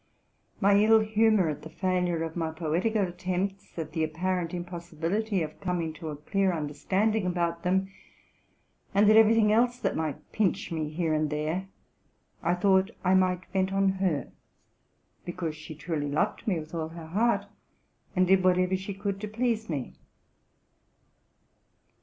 My ill humor at the failure of my poetical attempts, at the apparent im possibility of coming to a clear understanding about them, and at every thing else that might pinch me here and there, I thought I might vent on her, because she truly loved me with all her heart, and did whatever she could to please me.